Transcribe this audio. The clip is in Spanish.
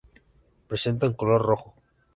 Presenta un color rojo.